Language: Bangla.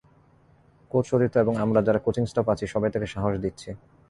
কোচ, সতীর্থ এবং আমরা যারা কোচিং স্টাফ আছি সবাই তাকে সাহস দিচ্ছি।